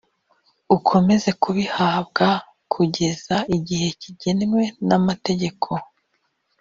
ukomeza kubihabwa kugeza igihe kigenwe n’amategeko